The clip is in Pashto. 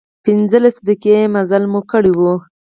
پنځلس دقيقې مزل مو کړی و.